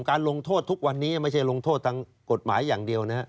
การลงโทษทุกวันนี้ไม่ใช่ลงโทษทางกฎหมายอย่างเดียวนะฮะ